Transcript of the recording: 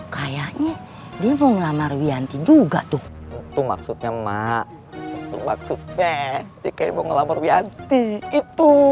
kayaknya dia mau ngelamar yanti juga tuh maksudnya maksudnya itu